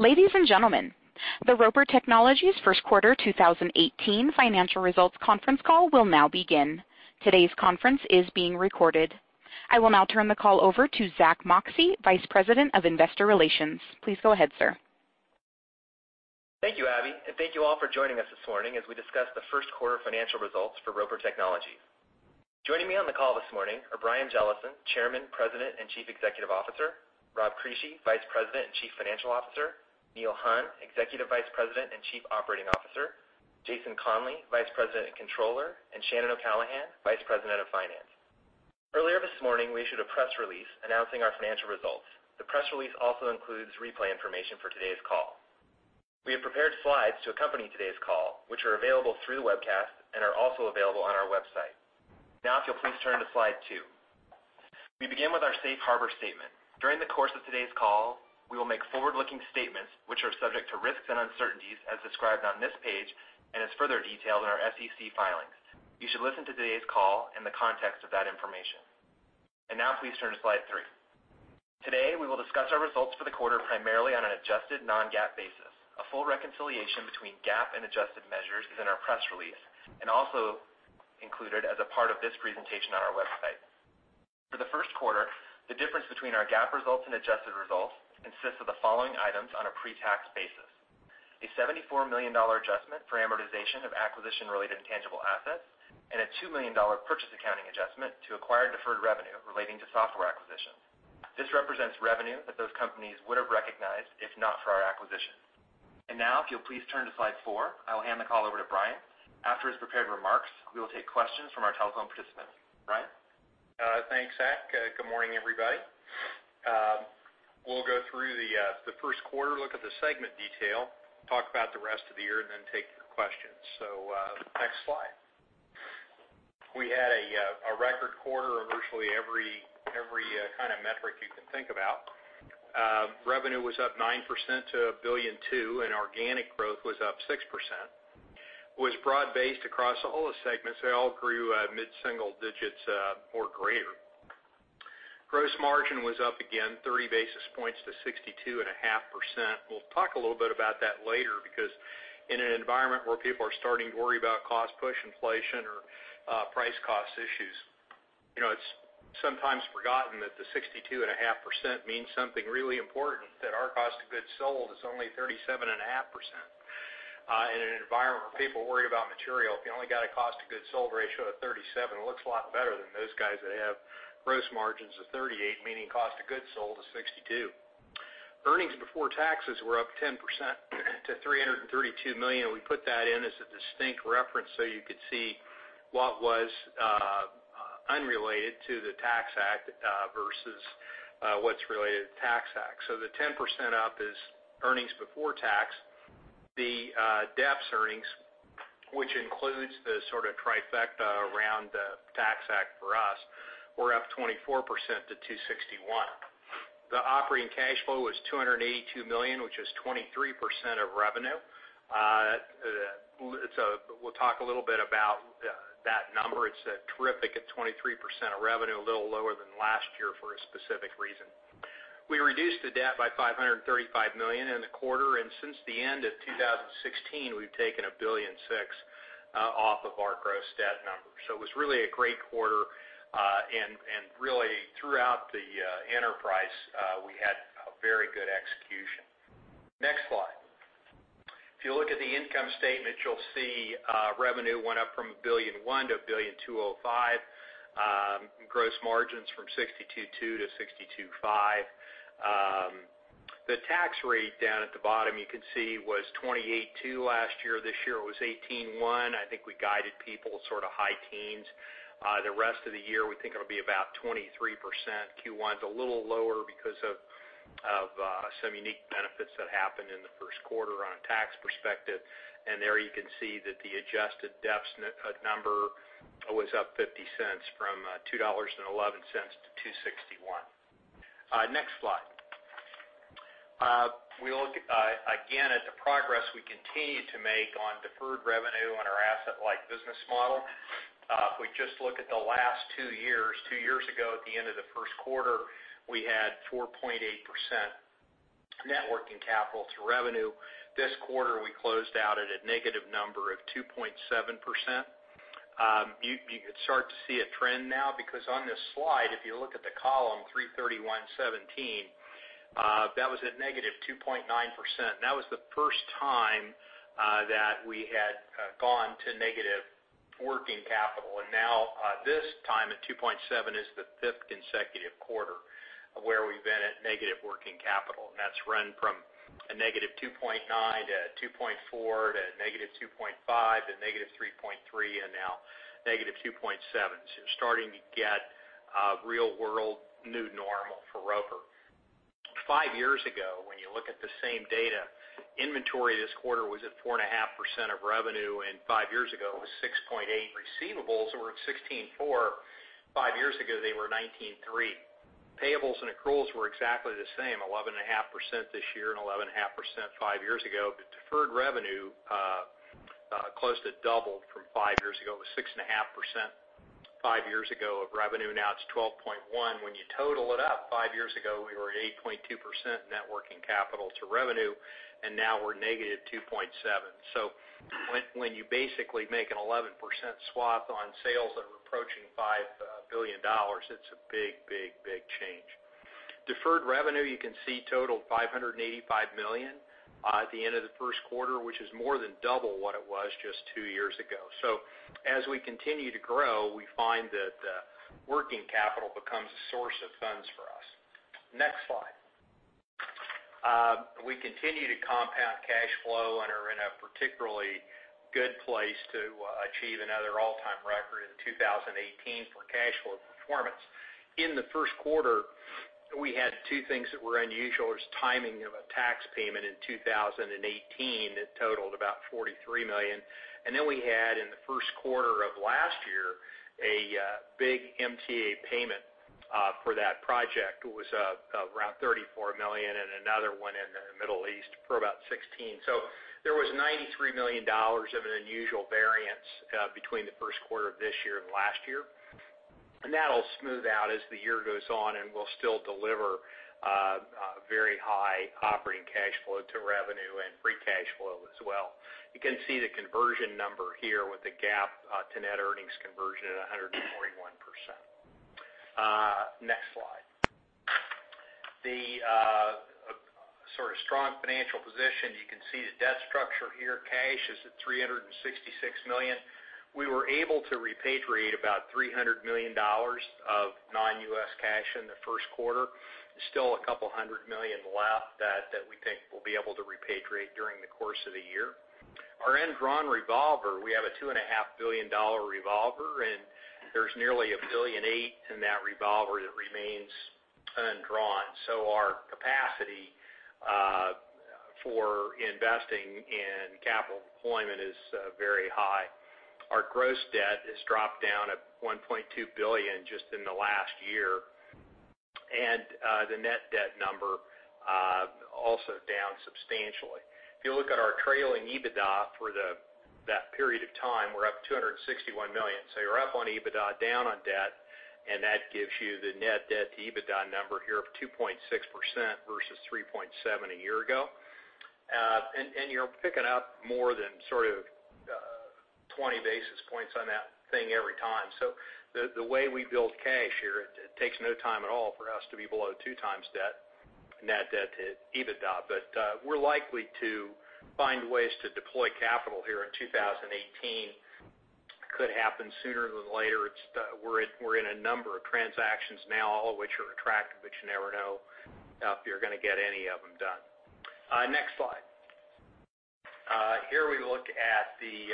Ladies and gentlemen, the Roper Technologies first quarter 2018 financial results conference call will now begin. Today's conference is being recorded. I will now turn the call over to Zack Moxcey, Vice President of Investor Relations. Please go ahead, sir. Thank you, Abby, and thank you all for joining us this morning as we discuss the first quarter financial results for Roper Technologies. Joining me on the call this morning are Brian Jellison, Chairman, President, and Chief Executive Officer; Rob Crisci, Vice President and Chief Financial Officer; Neil Hunn, Executive Vice President and Chief Operating Officer; Jason Conley, Vice President and Controller; and Shannon O'Callahan, Vice President of Finance. Earlier this morning, we issued a press release announcing our financial results. The press release also includes replay information for today's call. We have prepared slides to accompany today's call, which are available through the webcast and are also available on our website. Now, if you'll please turn to slide two. We begin with our safe harbor statement. During the course of today's call, we will make forward-looking statements which are subject to risks and uncertainties as described on this page and as further detailed in our SEC filings. You should listen to today's call in the context of that information. Now, please turn to slide three. Today, we will discuss our results for the quarter, primarily on an adjusted non-GAAP basis. A full reconciliation between GAAP and adjusted measures is in our press release and also included as a part of this presentation on our website. For the first quarter, the difference between our GAAP results and adjusted results consists of the following items on a pre-tax basis: a $74 million adjustment for amortization of acquisition-related intangible assets and a $2 million purchase accounting adjustment to acquire deferred revenue relating to software acquisitions. This represents revenue that those companies would have recognized if not for our acquisition. Now, if you'll please turn to slide four, I will hand the call over to Brian. After his prepared remarks, we will take questions from our telephone participants. Brian? Thanks, Zack. Good morning, everybody. We'll go through the first quarter, look at the segment detail, talk about the rest of the year, and then take your questions. Next slide. We had a record quarter on virtually every kind of metric you can think about. Revenue was up 9% to $1.2 billion, and organic growth was up 6%, was broad-based across all the segments. They all grew mid-single digits or greater. Gross margin was up again 30 basis points to 62.5%. We'll talk a little bit about that later, because in an environment where people are starting to worry about cost push inflation or price cost issues, it's sometimes forgotten that the 62.5% means something really important, that our cost of goods sold is only 37.5%. In an environment where people worry about material, if you only got a cost of goods sold ratio of 37%, it looks a lot better than those guys that have gross margins of 38%, meaning cost of goods sold is 62%. Earnings before taxes were up 10% to $332 million. We put that in as a distinct reference so you could see what was unrelated to the Tax Act versus what's related to the Tax Act. The 10% up is earnings before tax. The DEPS earnings, which includes the sort of trifecta around the Tax Act for us, were up 24% to $261 million. The operating cash flow was $282 million, which is 23% of revenue. We'll talk a little bit about that number. It's terrific at 23% of revenue, a little lower than last year for a specific reason. We reduced the debt by $535 million in the quarter. Since the end of 2016, we've taken $1.6 billion off of our gross debt number. It was really a great quarter and really throughout the enterprise we had a very good execution. Next slide. If you look at the income statement, you'll see revenue went up from $1.1 billion to $1.205 billion. Gross margins from 62.2% to 62.5%. The tax rate down at the bottom you can see was 28.2% last year. This year it was 18.1%. I think we guided people sort of high teens. The rest of the year, we think it'll be about 23%. Q1's a little lower because of some unique benefits that happened in the first quarter on a tax perspective. There you can see that the adjusted DEPS number was up $0.50 from $2.11 to $2.61. Next slide. We look again at the progress we continue to make on deferred revenue on our asset-light business model. If we just look at the last two years, two years ago, at the end of the first quarter, we had 4.8% net working capital to revenue. This quarter, we closed out at a negative number of 2.7%. You could start to see a trend now because on this slide, if you look at the column 3/31/2017, that was at negative 2.9%. That was the first time that we had gone to negative working capital, and now this time at 2.7% is the fifth consecutive quarter where we've been at negative working capital, and that's run from -2.9% to 2.4% to -2.5% to -3.3% and now -2.7%. You're starting to get a real-world new normal for Roper. Five years ago, when you look at the same data, inventory this quarter was at 4.5% of revenue, and five years ago, it was 6.8%. Receivables were at 16.4%. Five years ago, they were 19.3%. Payables and accruals were exactly the same, 11.5% this year and 11.5% five years ago. Deferred revenue close to doubled from five years ago. It was 6.5% five years ago of revenue, now it's 12.1%. When you total it up, five years ago, we were at 8.2% net working capital to revenue, and now we're negative 2.7%. When you basically make an 11% swap on sales that are approaching $5 billion, it's a big change. Deferred revenue, you can see totaled $585 million at the end of the first quarter, which is more than double what it was just two years ago. As we continue to grow, we find that the working capital becomes a source of funds for us. Next slide. We continue to compound cash flow and are in a particularly good place to achieve another all-time record in 2018 for cash flow performance. In the first quarter, we had two things that were unusual. There was timing of a tax payment in 2018 that totaled about $43 million, and then we had, in the first quarter of last year, a big MTA payment for that project. It was around $34 million, and another one in the Middle East for about $16 million. There was $93 million of an unusual variance between the first quarter of this year and last year. That'll smooth out as the year goes on and we'll still deliver very high operating cash flow to revenue and free cash flow as well. You can see the conversion number here with the GAAP to net earnings conversion at 141%. Next slide. The strong financial position. You can see the debt structure here. Cash is at $366 million. We were able to repatriate about $300 million of non-U.S. cash in the first quarter. There's still a couple hundred million left that we think we'll be able to repatriate during the course of the year. Our undrawn revolver, we have a $2.5 billion revolver, and there's nearly $1.8 billion in that revolver that remains undrawn. Our capacity for investing in capital deployment is very high. Our gross debt has dropped down at $1.2 billion just in the last year. The net debt number also down substantially. If you look at our trailing EBITDA for that period of time, we're up $261 million. You're up on EBITDA, down on debt, and that gives you the net debt to EBITDA number here of 2.6% versus 3.7% a year ago. You're picking up more than 20 basis points on that thing every time. The way we build cash here, it takes no time at all for us to be below two times net debt to EBITDA. We're likely to find ways to deploy capital here in 2018. Could happen sooner than later. We're in a number of transactions now, all of which are attractive, but you never know if you're going to get any of them done. Next slide. Here we look at the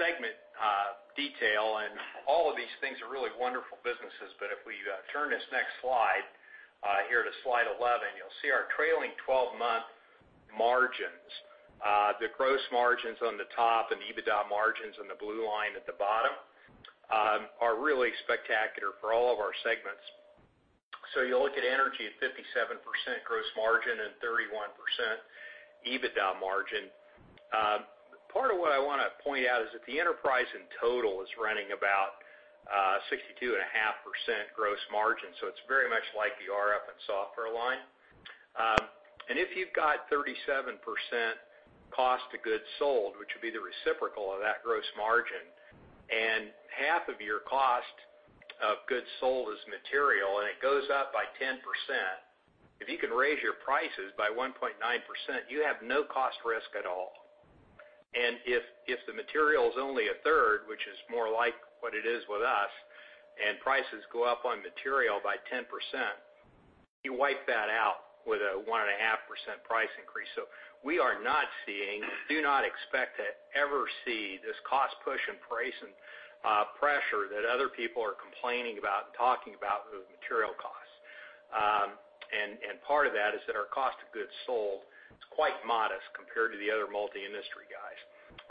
segment detail, and all of these things are really wonderful businesses. If we turn this next slide here to slide 11, you'll see our trailing 12-month margins. The gross margins on the top and the EBITDA margins on the blue line at the bottom are really spectacular for all of our segments. You look at energy at 57% gross margin and 31% EBITDA margin. Part of what I want to point out is that the enterprise in total is running about 62.5% gross margin, so it's very much like the RF and software line. If you've got 37% cost to goods sold, which would be the reciprocal of that gross margin, and half of your cost of goods sold is material, and it goes up by 10%, if you can raise your prices by 1.9%, you have no cost risk at all. If the material is only a third, which is more like what it is with us, and prices go up on material by 10%, you wipe that out with a 1.5% price increase. We are not seeing, do not expect to ever see this cost push in pricing pressure that other people are complaining about and talking about with material costs. Part of that is that our cost of goods sold is quite modest compared to the other multi-industry guys.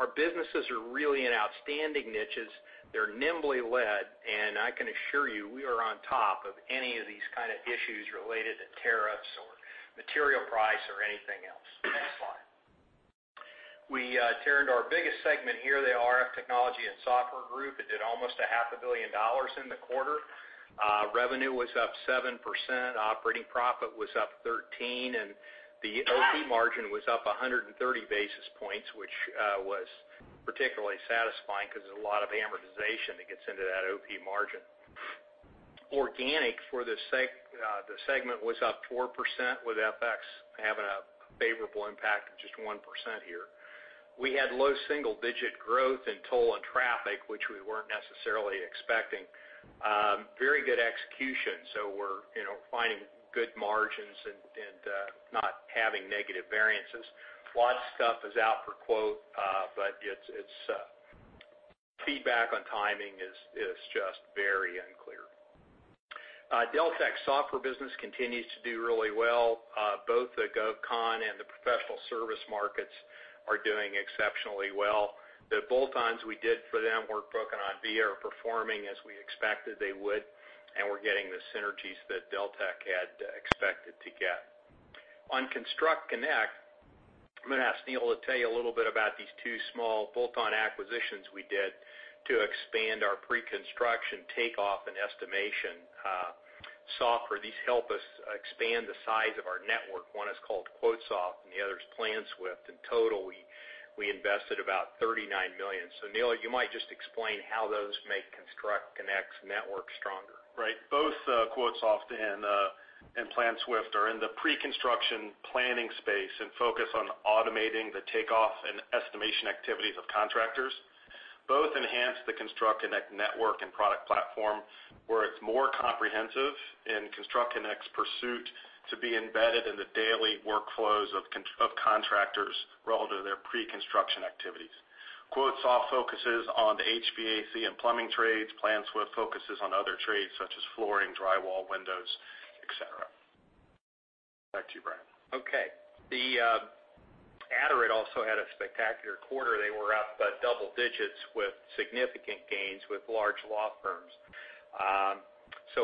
Our businesses are really in outstanding niches. They're nimbly led, and I can assure you, we are on top of any of these kind of issues related to tariffs or material price or anything else. Next slide. We turn to our biggest segment here, the RF technology and software group. It did almost a half a billion dollars in the quarter. Revenue was up 7%, operating profit was up 13%, and the OP margin was up 130 basis points, which was particularly satisfying because there's a lot of amortization that gets into that OP margin. Organic for the segment was up 4% with FX having a favorable impact of just 1% here. We had low single-digit growth in toll and traffic, which we weren't necessarily expecting. Very good execution, so we're finding good margins and not having negative variances. Flood stuff is out for quote, but feedback on timing is just very unclear. Deltek software business continues to do really well. Both the GovCon and the professional service markets are doing exceptionally well. The bolt-ons we did for them, WorkBook and Onvia, are performing as we expected they would, and we're getting the synergies that Deltek had expected to get. On ConstructConnect, I'm going to ask Neil to tell you a little bit about these two small bolt-on acquisitions we did to expand our pre-construction takeoff and estimation software. These help us expand the size of our network. One is called QuoteSoft and the other is PlanSwift. In total, we invested about $39 million. Neil, you might just explain how those make ConstructConnect's network stronger. Right. Both QuoteSoft and PlanSwift are in the pre-construction planning space and focus on automating the takeoff and estimation activities of contractors. Both enhance the ConstructConnect network and product platform, where it's more comprehensive in ConstructConnect's pursuit to be embedded in the daily workflows of contractors relative to their pre-construction activities. QuoteSoft focuses on the HVAC and plumbing trades. PlanSwift focuses on other trades such as flooring, drywall, windows, et cetera. Back to you, Brian. Okay. The Aderant also had a spectacular quarter. They were up by double digits with significant gains with large law firms.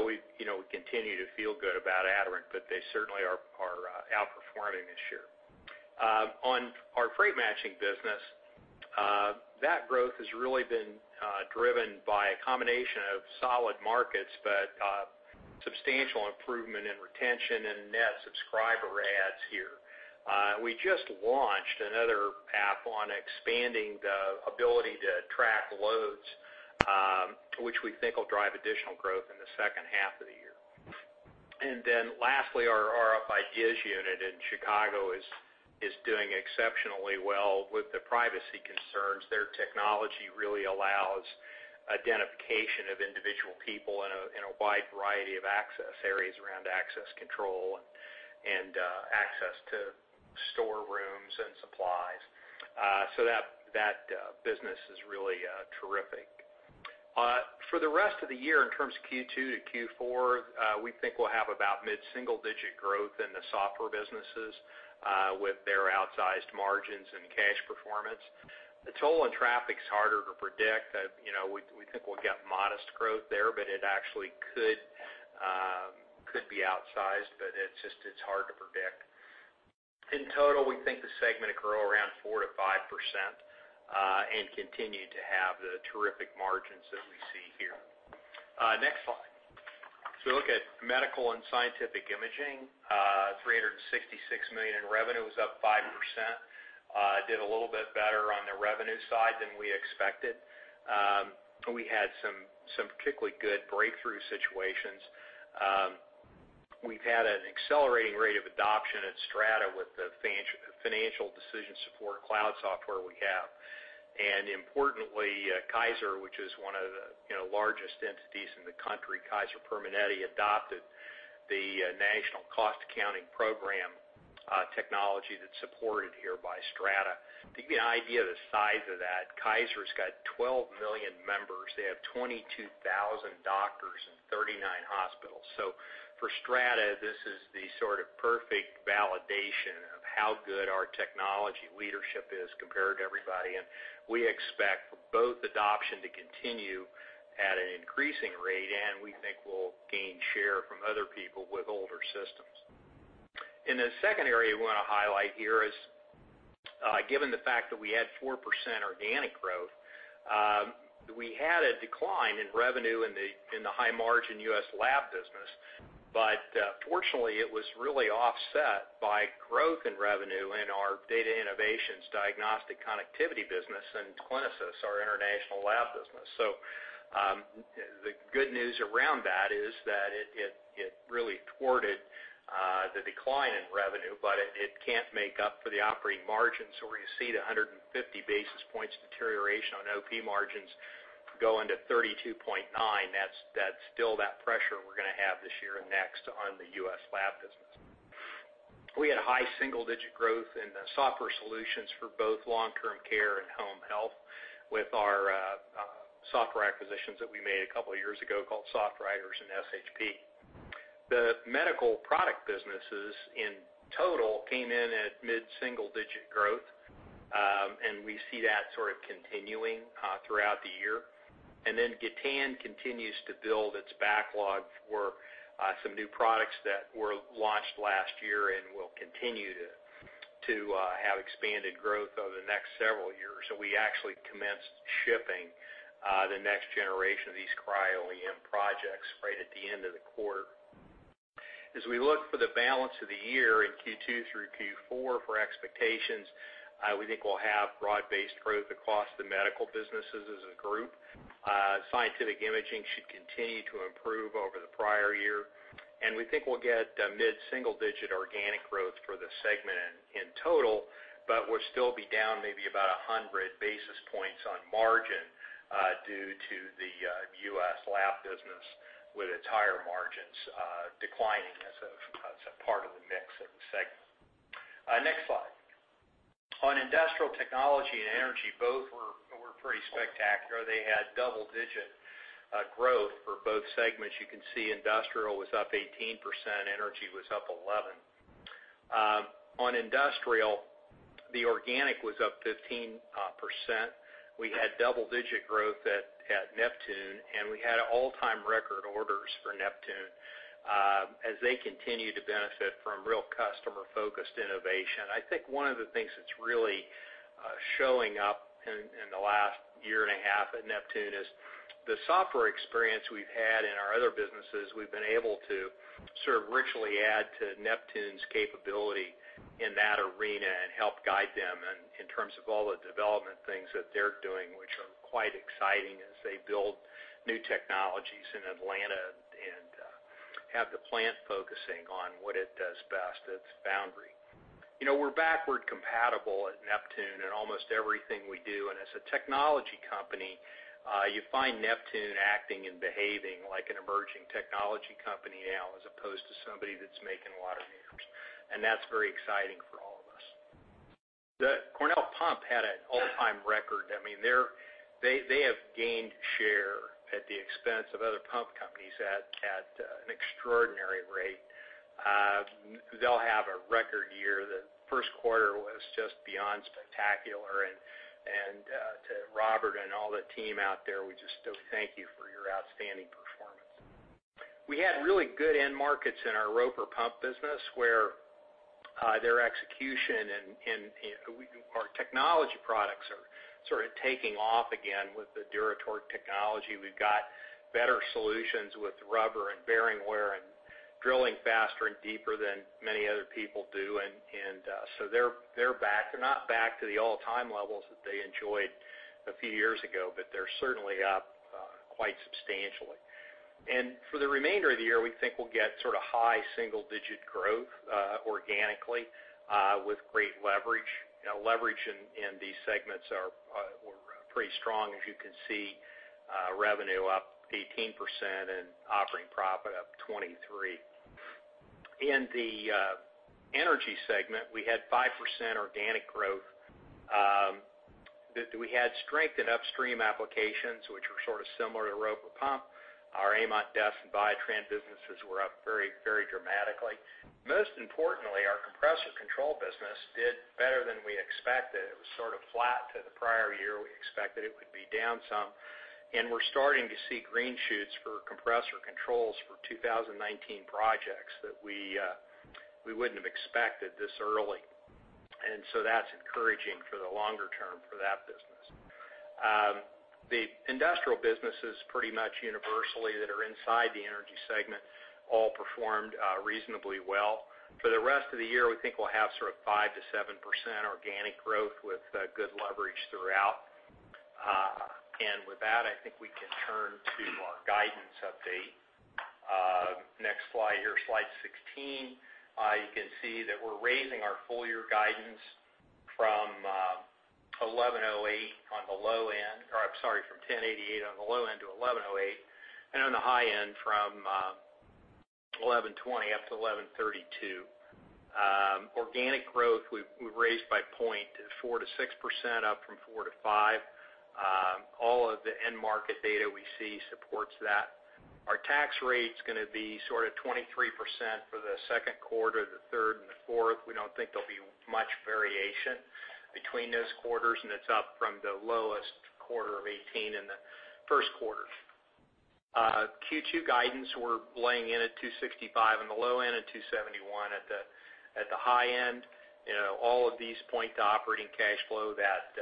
We continue to feel good about Aderant, but they certainly are outperforming this year. On our freight matching business, that growth has really been driven by a combination of solid markets, but substantial improvement in retention and net subscriber adds here. We just launched another app on expanding the ability to track loads, which we think will drive additional growth in the second half of the year. Lastly, our RF IDeas unit in Chicago is doing exceptionally well with the privacy concerns. Their technology really allows identification of individual people in a wide variety of access areas around access control and access to store rooms and supplies. That business is really terrific. For the rest of the year, in terms of Q2 to Q4, we think we'll have about mid-single-digit growth in the software businesses with their outsized margins and cash performance. The toll and traffic's harder to predict. We think we'll get modest growth there, but it actually could be outsized, but it's hard to predict. In total, we think the segment will grow around 4%-5% and continue to have the terrific margins that we see here. Next slide. If you look at Medical and Scientific Imaging, $366 million in revenue. It was up 5%. Did a little bit better on the revenue side than we expected. We had some particularly good breakthrough situations. We've had an accelerating rate of adoption at Strata with the financial decision support cloud software we have. Importantly, Kaiser, which is one of the largest entities in the country, Kaiser Permanente, adopted the National Cost Accounting Program technology that's supported here by Strata. To give you an idea of the size of that, Kaiser's got 12 million members. They have 22,000 doctors and 39 hospitals. For Strata, this is the sort of perfect validation of how good our technology leadership is compared to everybody, and we expect both adoption to continue at an increasing rate, and we think we'll gain share from other people with older systems. The second area we want to highlight here is, given the fact that we had 4% organic growth, we had a decline in revenue in the high-margin U.S. lab business. But fortunately, it was really offset by growth in revenue in our Data Innovations diagnostic connectivity business and Clinisys, our international lab business. The good news around that is that it really thwarted the decline in revenue, it can't make up for the operating margin. We're going to see the 150 basis points deterioration on OP margins go into 32.9. That's still that pressure we're going to have this year and next on the U.S. lab business. We had high single-digit growth in the software solutions for both long-term care and home health with our software acquisitions that we made a couple of years ago called SoftWriters and SHP. The medical product businesses in total came in at mid-single digit growth, and we see that sort of continuing throughout the year. Gatan continues to build its backlog for some new products that were launched last year and will continue to have expanded growth over the next several years. We actually commenced shipping the next generation of these Cryo-EM projects right at the end of the quarter. As we look for the balance of the year in Q2 through Q4 for expectations, we think we'll have broad-based growth across the medical businesses as a group. Scientific Imaging should continue to improve over the prior year, and we think we'll get mid-single digit organic growth for the segment in total, but we'll still be down maybe about 100 basis points on margin due to the U.S. lab business with its higher margins declining as a part of the mix of the segment. Next slide. Industrial Technology and Energy, both were pretty spectacular. They had double-digit growth for both segments. You can see Industrial was up 18%, Energy was up 11%. Industrial The organic was up 15%. We had double-digit growth at Neptune, we had all-time record orders for Neptune as they continue to benefit from real customer-focused innovation. I think one of the things that's really showing up in the last year and a half at Neptune is the software experience we've had in our other businesses, we've been able to sort of richly add to Neptune's capability in that arena and help guide them in terms of all the development things that they're doing, which are quite exciting as they build new technologies in Atlanta and have the plant focusing on what it does best, its foundry. We're backward compatible at Neptune in almost everything we do, as a technology company, you find Neptune acting and behaving like an emerging technology company now, as opposed to somebody that's making water meters. That's very exciting for all of us. Cornell Pump had an all-time record. They have gained share at the expense of other pump companies at an extraordinary rate. They'll have a record year. The first quarter was just beyond spectacular, and to Robert and all the team out there, we just so thank you for your outstanding performance. We had really good end markets in our Roper Pump business, where their execution and our technology products are sort of taking off again with the DuraTorque technology. We've got better solutions with rubber and bearing wear and drilling faster and deeper than many other people do. They're back. They're not back to the all-time levels that they enjoyed a few years ago, but they're certainly up quite substantially. For the remainder of the year, we think we'll get sort of high single-digit growth organically with great leverage. Leverage in these segments were pretty strong, as you can see, revenue up 18% and operating profit up 23%. In the energy segment, we had 5% organic growth. We had strength in upstream applications, which were sort of similar to Roper Pump. Our AMOT, DES, and Viatran businesses were up very dramatically. Most importantly, our compressor control business did better than we expected. It was sort of flat to the prior year. We expected it would be down some. We're starting to see green shoots for compressor controls for 2019 projects that we wouldn't have expected this early. That's encouraging for the longer term for that business. The industrial businesses pretty much universally that are inside the energy segment all performed reasonably well. For the rest of the year, we think we'll have sort of 5%-7% organic growth with good leverage throughout. With that, I think we can turn to our guidance update. Next slide here, slide 16. You can see that we're raising our full year guidance from $11.08 on the low end, or I'm sorry, from $10.88 on the low end to $11.08, and on the high end from $11.20 up to $11.32. Organic growth we've raised by 0.4% to 6%, up from four to five. All of the end market data we see supports that. Our tax rate's going to be sort of 23% for the second quarter, the third and the fourth. We don't think there'll be much variation between those quarters, and it's up from the lowest quarter of 2018 in the first quarter. Q2 guidance, we're laying in at $265 on the low end and $271 at the high end. All of these point to operating cash flow that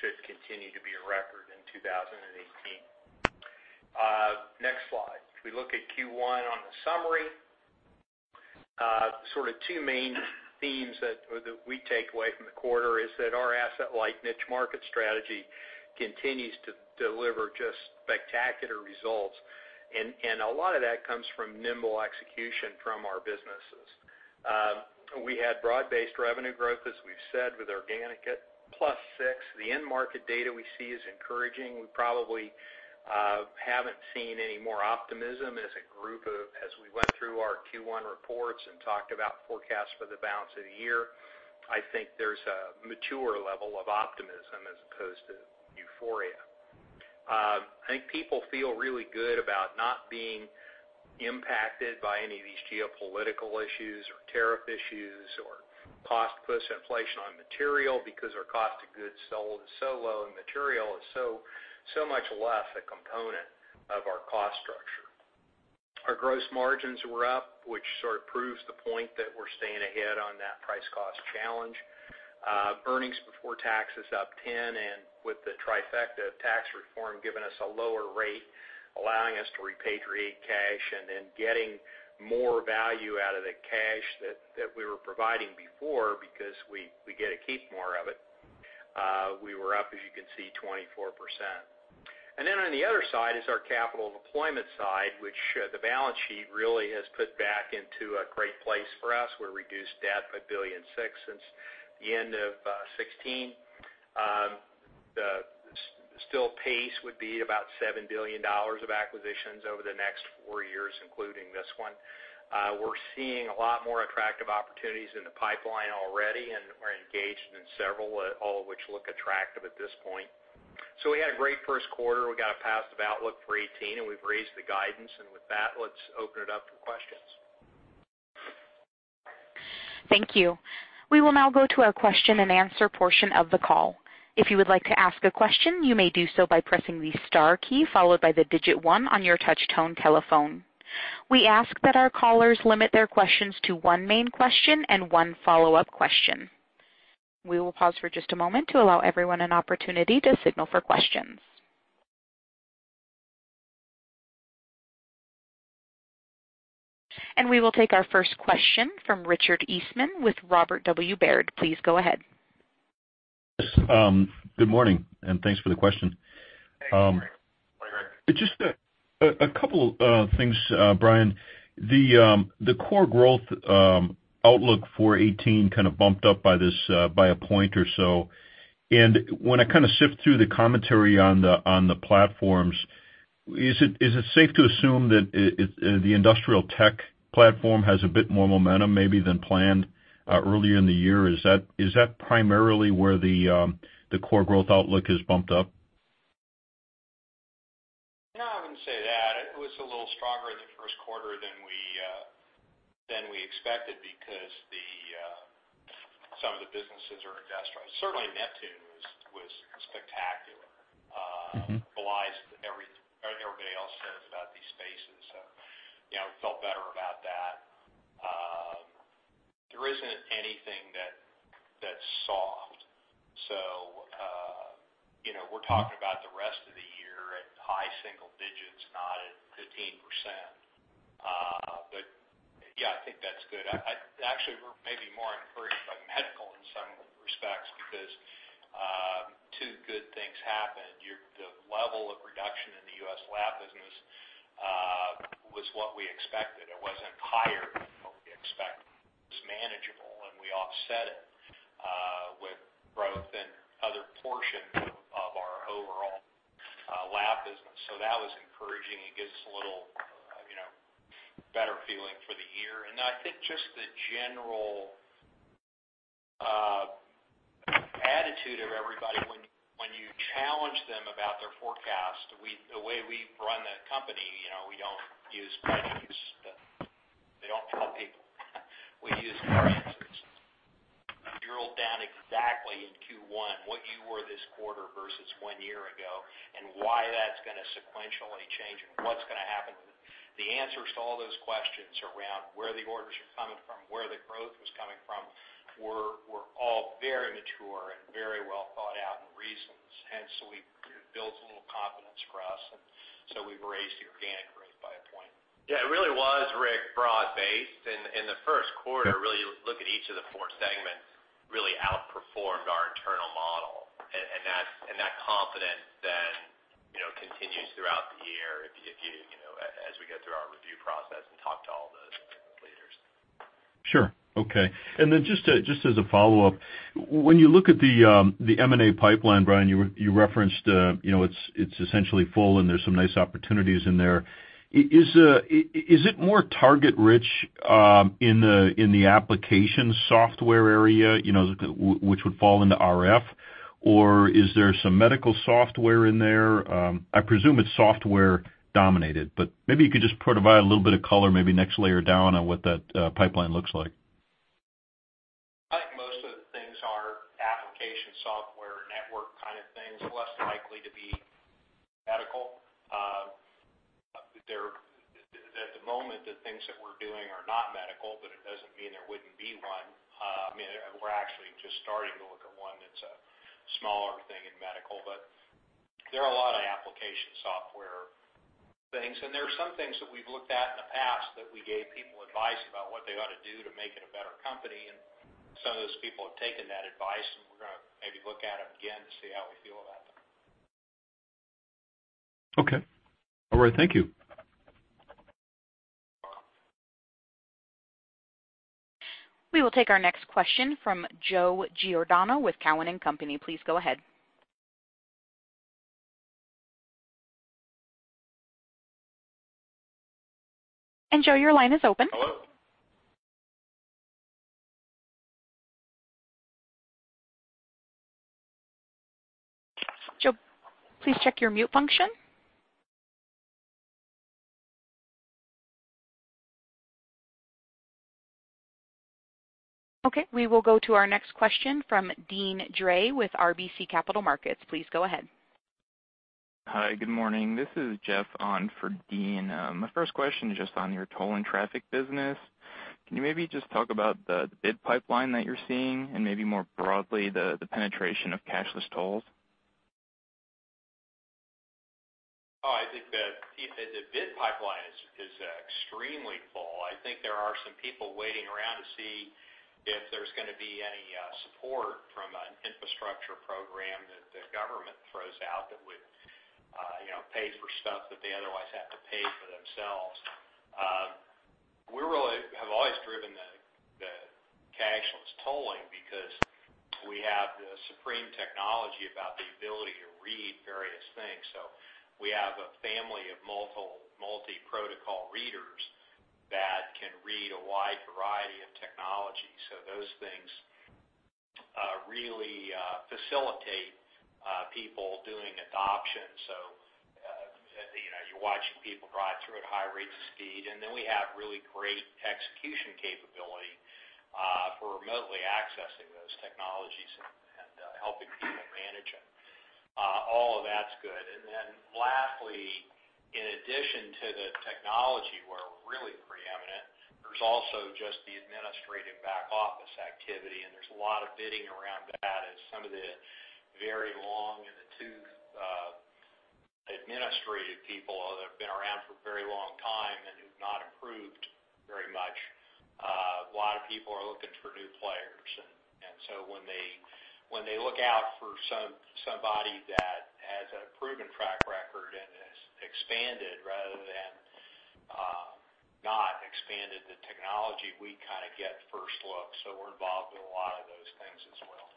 should continue to be a record in 2018. Next slide. If we look at Q1 on the summary, sort of two main themes that we take away from the quarter is that our asset-light niche market strategy continues to deliver just spectacular results. A lot of that comes from nimble execution from our businesses. We had broad-based revenue growth, as we've said, with organic at plus 6%. The end market data we see is encouraging. We probably haven't seen any more optimism as a group as we went through our Q1 reports and talked about forecasts for the balance of the year. I think there's a mature level of optimism as opposed to euphoria. I think people feel really good about not being impacted by any of these geopolitical issues or tariff issues or cost-push inflation on material because our cost of goods sold is so low and material is so much less a component of our cost structure. Our gross margins were up, which sort of proves the point that we're staying ahead on that price-cost challenge. Earnings before tax is up 10%, with the trifecta of tax reform giving us a lower rate, allowing us to repatriate cash and then getting more value out of the cash that we were providing before because we get to keep more of it. We were up, as you can see, 24%. On the other side is our capital deployment side, which the balance sheet really has put back into a great place for us. We reduced debt by $1.6 billion since the end of 2016. The still pace would be about $7 billion of acquisitions over the next four years, including this one. We're seeing a lot more attractive opportunities in the pipeline already, and we're engaged in several, all of which look attractive at this point. We had a great first quarter. We got a positive outlook for 2018, and we've raised the guidance. With that, let's open it up for questions. Thank you. We will now go to our question and answer portion of the call. If you would like to ask a question, you may do so by pressing the star key followed by the digit one on your touchtone telephone. We ask that our callers limit their questions to one main question and one follow-up question. We will pause for just a moment to allow everyone an opportunity to signal for questions. We will take our first question from Richard Eastman with Robert W. Baird. Please go ahead. Yes. Good morning, and thanks for the question. Hey, good morning, Rick. Just a couple things, Brian. The core growth outlook for 2018 kind of bumped up by a point or so. When I sift through the commentary on the platforms, is it safe to assume that the industrial tech platform has a bit more momentum maybe than planned earlier in the year? Is that primarily where the core growth outlook is bumped up? No, I wouldn't say that. It was a little stronger in the first quarter than we expected because some of the businesses are industrial. Certainly Neptune was spectacular. Belies everybody else says about these spaces. We felt better about that. There isn't anything that's soft. We're talking about the rest of the year at high single digits, not at 15%. Yeah, I think that's good. Actually, we're maybe more encouraged by medical in some respects because two good things happened. The level of reduction in the U.S. lab business was what we expected. It wasn't higher than what we expected. It was manageable, and we offset it with growth in other portions of our overall lab business. That was encouraging. It gives us a little better feeling for the year. I think just the general attitude of everybody when you challenge them about their forecast. The way we run the company, we don't use pennies, but they don't tell people. We use car answers. If you drill down exactly in Q1 what you were this quarter versus one year ago, why that's going to sequentially change and what's going to happen with it. The answers to all those questions around where the orders are coming from, where the growth was coming from, were all very mature and very well thought out in reasons. It builds a little confidence for us, we've raised the organic rate by a point. Yeah, it really was, Rick, broad-based. In the first quarter, really look at each of the four segments really outperformed our internal model, and that confidence then continues throughout the year as we get through our review process and talk to all the leaders. Sure. Okay. Just as a follow-up, when you look at the M&A pipeline, Brian, you referenced it's essentially full and there's some nice opportunities in there. Is it more target-rich in the application software area which would fall into RF, or is there some medical software in there? I presume it's software-dominated, but maybe you could just provide a little bit of color, maybe next layer down on what that pipeline looks like. I think most of the things are application software network kind of things, less likely to be medical. At the moment, the things that we're doing are not medical, but it doesn't mean there wouldn't be one. We're actually just starting to look at one that's a smaller thing in medical, but there are a lot of application software things, and there are some things that we've looked at in the past that we gave people advice about what they ought to do to make it a better company. Some of those people have taken that advice, and we're going to maybe look at them again to see how we feel about them. Okay. All right. Thank you. We will take our next question from Joe Giordano with Cowen and Company. Please go ahead. Joe, your line is open. Hello? Joe, please check your mute function. Okay. We will go to our next question from Deane Dray with RBC Capital Markets. Please go ahead. Hi, good morning. This is Jeff on for Deane. My first question is just on your toll and traffic business. Can you maybe just talk about the bid pipeline that you're seeing and maybe more broadly, the penetration of cashless tolls? I think that the bid pipeline is extremely full. I think there are some people waiting around to see if there's going to be any support from an infrastructure program that the government throws out that would pay for stuff that they otherwise have to pay for themselves. We really have always driven the cashless tolling because we have the supreme technology about the ability to read various things. We have a family of multi-protocol readers that can read a wide variety of technology. Those things really facilitate people doing adoption. As you're watching people drive through at high rates of speed, and then we have really great execution capability for remotely accessing those technologies and helping people manage them. All of that's good. Lastly, in addition to the technology where we're really preeminent, there's also just the administrative back office activity. There's a lot of bidding around that as some of the very long in the tooth administrative people that have been around for a very long time and who've not improved very much. A lot of people are looking for new players. When they look out for somebody that has a proven track record and has expanded rather than not expanded the technology, we kind of get first look. We're involved in a lot of those things as well.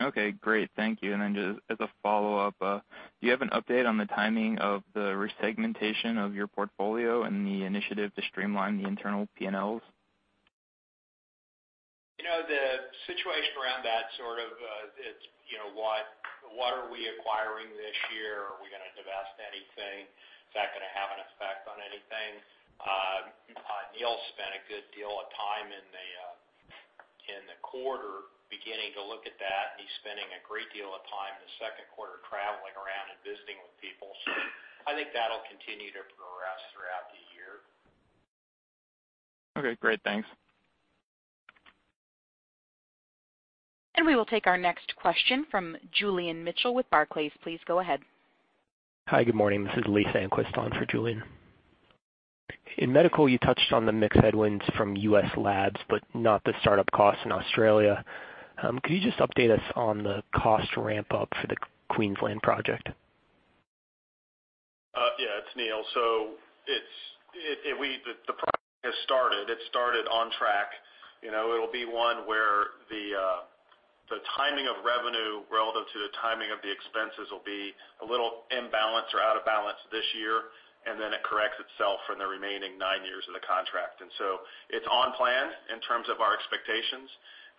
Okay, great. Thank you. Just as a follow-up, do you have an update on the timing of the resegmentation of your portfolio and the initiative to streamline the internal P&Ls? The situation around that sort of, it's what are we acquiring this year? Are we going to divest anything? Is that going to have an effect on anything? Neil spent a good deal of time in the quarter beginning to look at that. He's spending a great deal of time in the second quarter traveling around and visiting with people. I think that'll continue to progress throughout the year. Okay, great. Thanks. We will take our next question from Julian Mitchell with Barclays. Please go ahead. Hi, good morning. This is Lee Sandquist on for Julian. In medical, you touched on the mix headwinds from U.S. labs, but not the startup costs in Australia. Could you just update us on the cost ramp-up for the Queensland project? Yeah, it's Neil. The project has started. It started on track. It'll be one where the timing of revenue relative to the timing of the expenses will be a little imbalanced or out of balance this year, and then it corrects itself in the remaining nine years of the contract. It's on plan in terms of our expectations,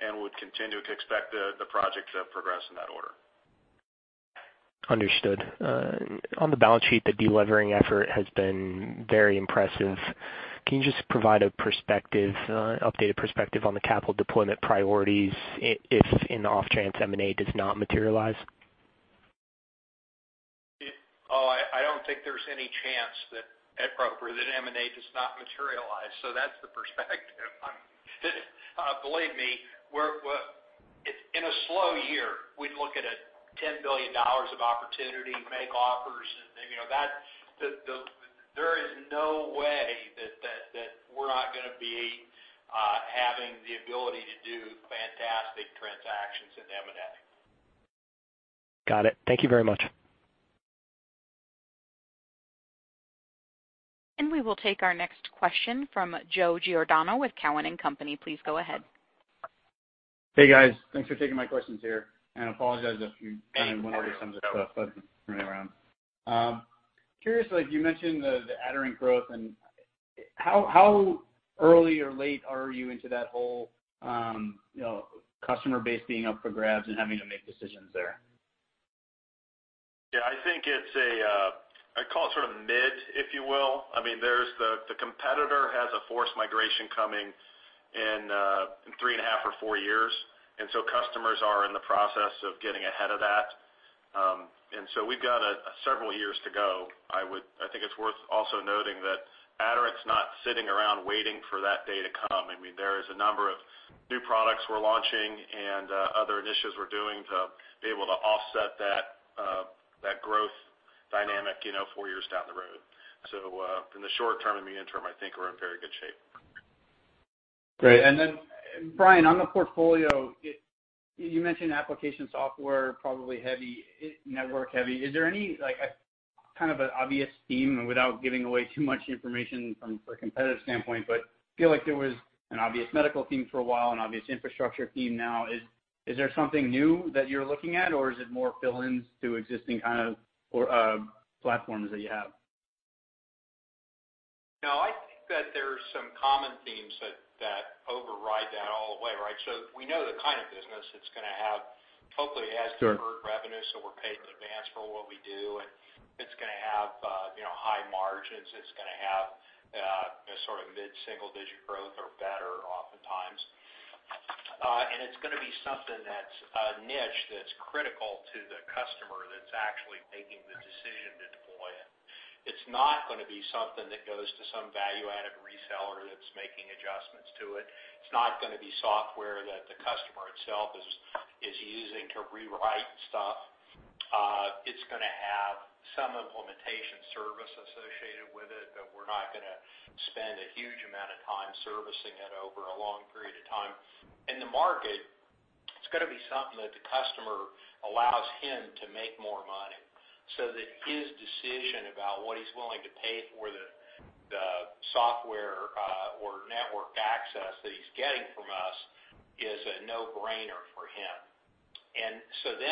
and we'd continue to expect the project to progress in that order. Understood. On the balance sheet, the de-levering effort has been very impressive. Can you just provide an updated perspective on the capital deployment priorities if an off-chance M&A does not materialize? I don't think there's any chance that at Roper, that M&A does not materialize. That's the perspective. Believe me, in a slow year, we'd look at $10 billion of opportunity to make offers. There is no way that we're not going to be having the ability to do fantastic transactions in M&A. Got it. Thank you very much. We will take our next question from Joe Giordano with Cowen and Company. Please go ahead. Hey, guys. Thanks for taking my questions here. I apologize if you kind of running around. Curious though, you mentioned the Aderant growth and how early or late are you into that whole customer base being up for grabs and having to make decisions there? I think it's, I'd call it sort of mid, if you will. Customers are in the process of getting ahead of that. We've got several years to go. I think it's worth also noting that Aderant's not sitting around waiting for that day to come. There is a number of new products we're launching and other initiatives we're doing to be able to offset that growth dynamic four years down the road. In the short term and the interim, I think we're in very good shape. Great. Brian, on the portfolio, you mentioned application software, probably network heavy. Is there any kind of an obvious theme, without giving away too much information from a competitive standpoint, but feel like there was an obvious medical theme for a while, an obvious infrastructure theme now. Is there something new that you're looking at or is it more fill-ins to existing kind of platforms that you have? I think that there's some common themes that override that all the way, right? We know the kind of business it's going to have. Hopefully it has deferred revenue, so we're paid in advance for what we do, and it's going to have high margins. It's going to have a sort of mid-single digit growth or better oftentimes. It's going to be something that's a niche that's critical to the customer that's actually making the decision to deploy it. It's not going to be something that goes to some value-added reseller that's making adjustments to it. It's not going to be software that the customer itself is using to rewrite stuff. It's going to have some implementation service associated with it, but we're not going to spend a huge amount of time servicing it over a long period of time. In the market, it's got to be something that the customer allows him to make more money, so that his decision about what he's willing to pay for the software or network access that he's getting from us is a no-brainer for him.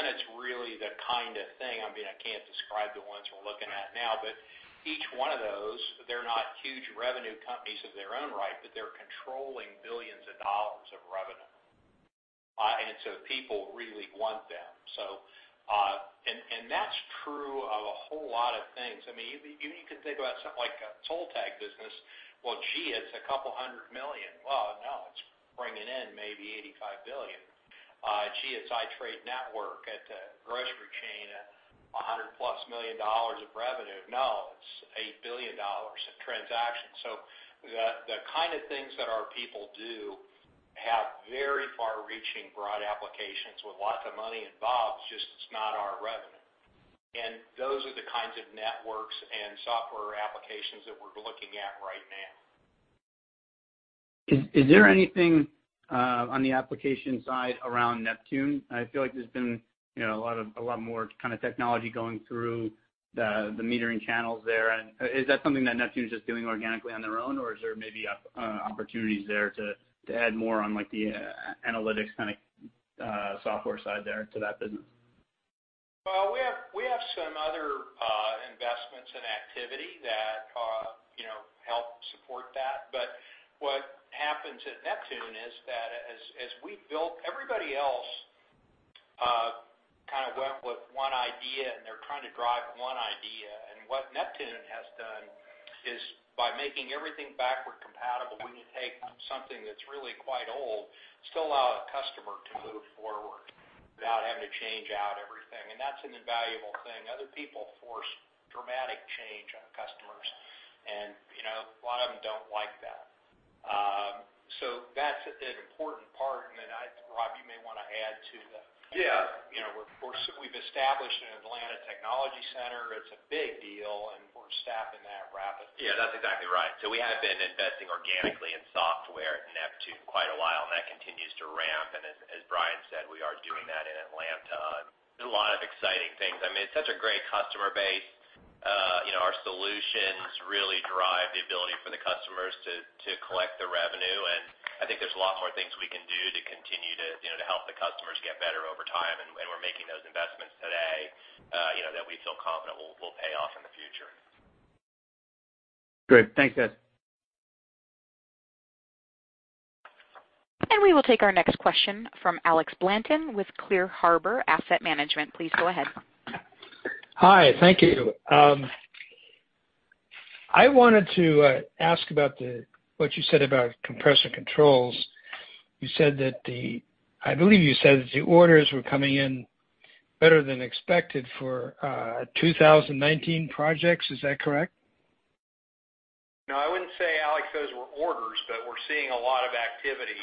It's really the kind of thing, I can't describe the ones we're looking at now, but each one of those, they're not huge revenue companies in their own right, but they're controlling $ billions of revenue. People really want them. That's true of a whole lot of things. You can think about something like a toll tag business. Well, gee, it's a $ hundred million. Well, no, it's bringing in maybe $85 billion. Gee, it's iTradeNetwork at the grocery chain, $100+ million of revenue. No, it's $8 billion of transactions. The kind of things that our people do have very far-reaching broad applications with lots of money involved, it's just not our revenue. Those are the kinds of networks and software applications that we're looking at right now. Is there anything on the application side around Neptune? I feel like there's been a lot more kind of technology going through the metering channels there. Is that something that Neptune's just doing organically on their own, or is there maybe opportunities there to add more on the analytics kind of software side there to that business? Well, we have some other investments and activity that help support that. What happens at Neptune is that as we've built Everybody else kind of went with one idea, and they're trying to drive one idea. What Neptune has done is by making everything backward compatible, when you take something that's really quite old, still allow a customer to move forward without having to change out everything. That's an invaluable thing. Other people force dramatic change on customers and a lot of them don't like that. That's an important part, and then Rob, you may want to add to the- Yeah We've established an Atlanta technology center. It's a big deal, and we're staffing that rapidly. Yeah, that's exactly right. We have been investing organically in software at Neptune quite a while, and that continues to ramp. As Brian said, we are doing that in Atlanta. There's a lot of exciting things. It's such a great customer base. Our solutions really drive the ability for the customers to collect the revenue, and I think there's a lot more things we can do to continue to help the customers get better over time, and we're making those investments today that we feel confident will pay off in the future. Great. Thanks, guys. We will take our next question from Alex Blanton with Clear Harbor Asset Management. Please go ahead. Hi, thank you. I wanted to ask about what you said about Compressor Controls. I believe you said that the orders were coming in better than expected for 2019 projects. Is that correct? No, I wouldn't say, Alex, those were orders, but we're seeing a lot of activity.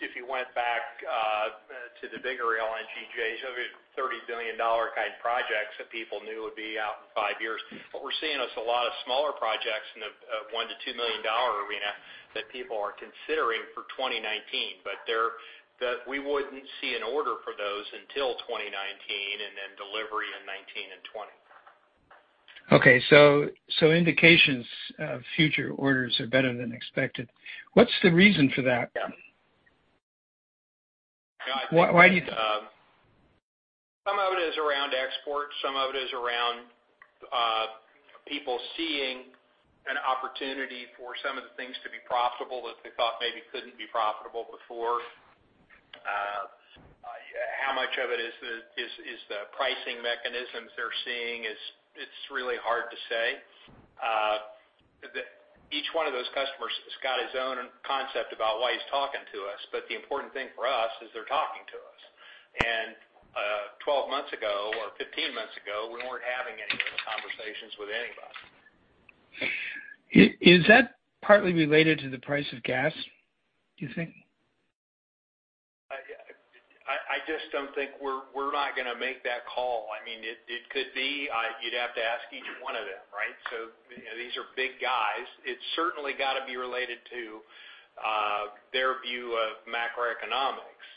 If you went back to the bigger LNG JVs, $30 billion kind of projects that people knew would be out in five years. What we're seeing is a lot of smaller projects in the $1 million to $2 million arena that people are considering for 2019. We wouldn't see an order for those until 2019 and then delivery in 2019 and 2020. Okay. Indications of future orders are better than expected. What's the reason for that? Yeah. Why do you think? Some of it is around export, some of it is around people seeing an opportunity for some of the things to be profitable that they thought maybe couldn't be profitable before. How much of it is the pricing mechanisms they're seeing? It's really hard to say. Each one of those customers has got his own concept about why he's talking to us. The important thing for us is they're talking to us. 12 months ago or 15 months ago, we weren't having any of those conversations with anybody. Is that partly related to the price of gas, do you think? I just don't think we're not going to make that call. It could be. You'd have to ask each one of them, right? These are big guys. It's certainly got to be related to their view of macroeconomics,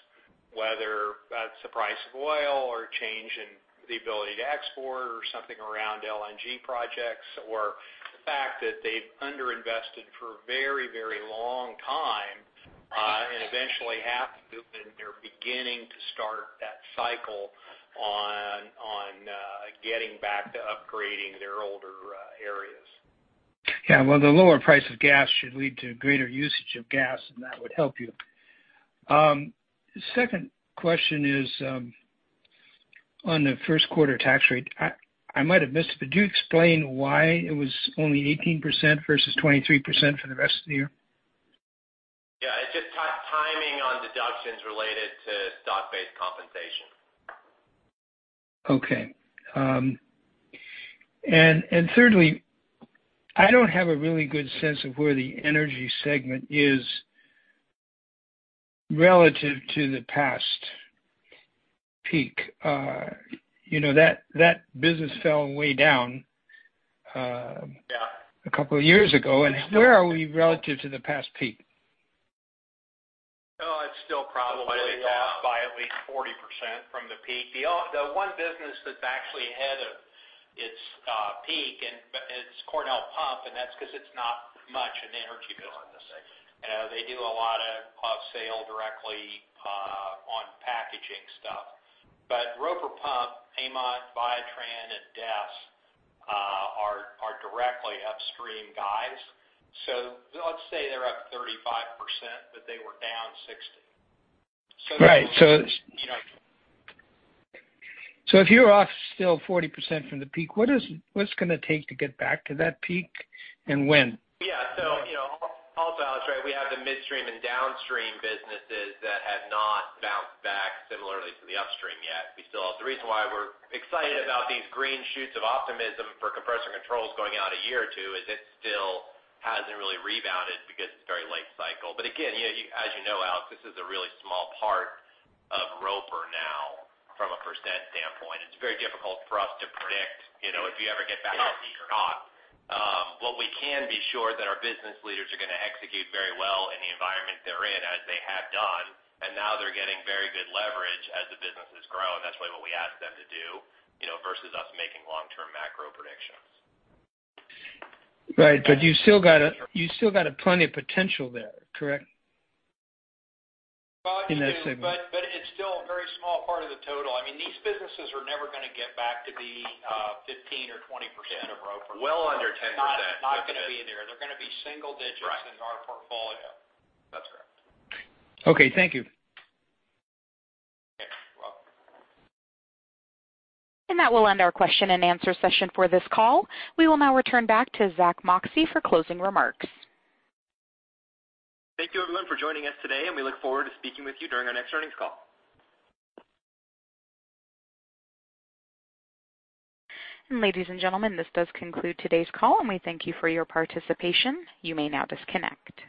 whether that's the price of oil or change in the ability to export or something around LNG projects, or the fact that they've underinvested for a very long time and eventually have to, and they're beginning to start that cycle on getting back to upgrading their older areas. Yeah. Well, the lower price of gas should lead to greater usage of gas, and that would help you. Second question is on the first quarter tax rate. I might have missed it, but could you explain why it was only 18% versus 23% for the rest of the year? Yeah, it's just timing on deductions related to stock-based compensation. Okay. Thirdly, I don't have a really good sense of where the energy segment is relative to the past peak. That business fell way down. Yeah A couple of years ago. Where are we relative to the past peak? It's still probably off by at least 40% from the peak. The one business that's actually had its peak, and it's Cornell Pump, and that's because it's not much an energy business. They do a lot of sale directly on packaging stuff. Roper Pump, AMOT, Viatran, and DES are directly upstream guys. Let's say they're up 35%, but they were down 60%. Right. If you're off still 40% from the peak, what's it going to take to get back to that peak, and when? Also, Alex, we have the midstream and downstream businesses that have not bounced back similarly to the upstream yet. The reason why we're excited about these green shoots of optimism for Compressor Controls going out a year or two is it still hasn't really rebounded because it's very late cycle. Again, as you know, Alex, this is a really small part of Roper now from a % standpoint. It's very difficult for us to predict if you ever get back to peak or not. What we can be sure is that our business leaders are going to execute very well in the environment they're in, as they have done, and now they're getting very good leverage as the businesses grow, and that's really what we ask them to do, versus us making long-term macro predictions. Right. You still got plenty of potential there, correct? In that segment. It's still a very small part of the total. These businesses are never going to get back to be 15% or 20% of Roper. Well under 10%. Not going to be there. They're going to be single digits- Right in our portfolio. That's correct. Okay, thank you. You're welcome. That will end our question and answer session for this call. We will now return back to Zack Moxcey for closing remarks. Thank you everyone for joining us today. We look forward to speaking with you during our next earnings call. Ladies and gentlemen, this does conclude today's call. We thank you for your participation. You may now disconnect.